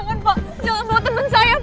mohon pak jangan bawa temen saya pak